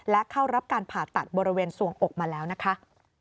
และเข้ารับการผ่าตัดบริเวณส่วงอกมาแล้วนะคะ